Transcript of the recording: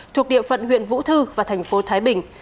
thuộc địa phận huyện vũ thư và thành phố thái bình